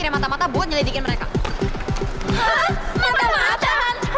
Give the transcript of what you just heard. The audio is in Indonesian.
dia mau aja gue makan